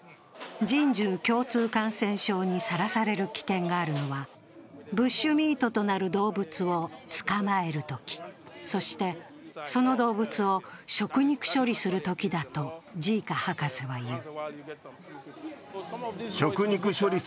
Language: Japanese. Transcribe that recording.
人獣共通感染症にさらされる危険があるのは、ブッシュミートとなる動物を捕まえるとき、そして、その動物を食肉処理するときだとジーカ博士は言う。